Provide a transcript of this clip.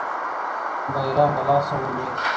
بیرغ له لاسه ولوېد.